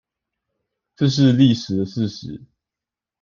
這是歷史事實